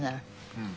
うん。